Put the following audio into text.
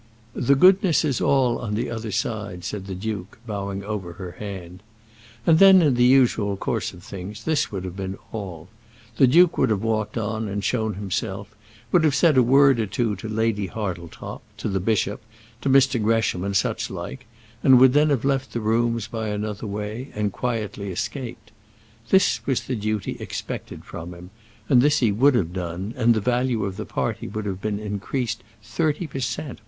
"The goodness is all on the other side," said the duke, bowing over her hand. And then in the usual course of things this would have been all. The duke would have walked on and shown himself, would have said a word or two to Lady Hartletop, to the bishop, to Mr. Gresham, and such like, and would then have left the rooms by another way, and quietly escaped. This was the duty expected from him, and this he would have done, and the value of the party would have been increased thirty per cent.